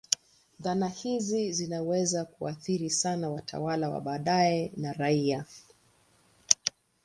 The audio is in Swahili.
Dhana hizi zinaweza kuathiri sana watawala wa baadaye na raia.